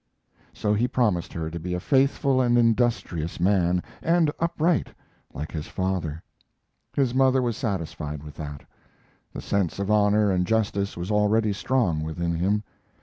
So he promised her to be a faithful and industrious man, and upright, like his father. His mother was satisfied with that. The sense of honor and justice was already strong within him.